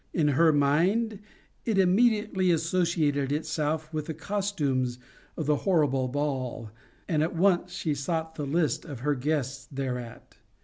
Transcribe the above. In her mind it immediately associated itself with the costumes of the horrible ball, and at once she sought the list of her guests thereat.